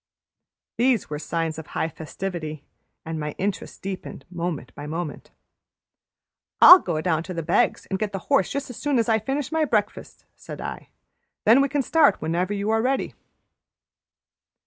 These were signs of high festivity, and my interest deepened moment by moment. "I'll go down to the Beggs' and get the horse just as soon as I finish my breakfast," said I. "Then we can start whenever you are ready."